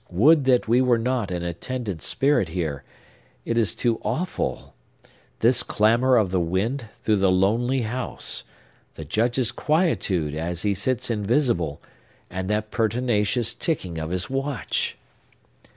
Would that we were not an attendant spirit here! It is too awful! This clamor of the wind through the lonely house; the Judge's quietude, as he sits invisible; and that pertinacious ticking of his watch!